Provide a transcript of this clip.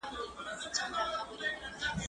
زه به سبا کتابتون ته راشم،